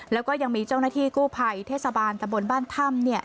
แล้วก็ยังมีเจ้าหน้าที่กู้ภัยเทศบาลตะบนบ้านถ้ำ